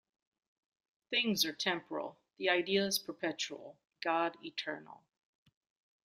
Things are temporal, the ideas perpetual, God eternal.